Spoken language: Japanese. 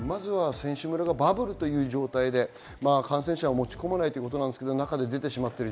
選手村がバブルという状態で感染者を持ち込まないということですが、中で出てしまっています。